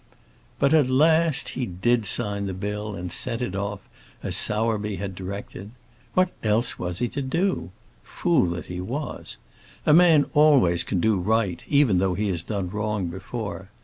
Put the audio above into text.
But at last he did sign the bill, and sent it off, as Sowerby had directed. What else was he to do? Fool that he was. A man always can do right, even though he has done wrong before.